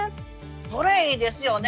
それいいですよね。